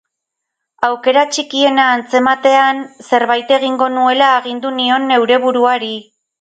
Aukera txikiena antzematean, zerbait egingo nuela agindu nion neure buruari.